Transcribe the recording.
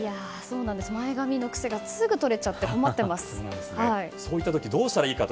前髪の癖がすぐとれちゃってそういった時どうしたらいいのか。